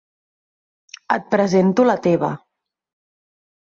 Et presento la teva.